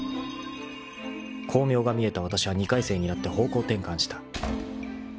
［光明が見えたわたしは２回生になって方向転換した］